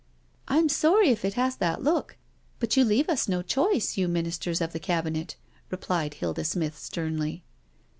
"I'm sorry if it has that look, but you leave us no choice, you Ministers of the Cabinet," replied Hilda Smith sternly.